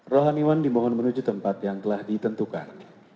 rohaniwan dimohon menuju tempat yang telah ditentukan